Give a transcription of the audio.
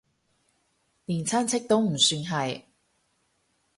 連親戚都唔算係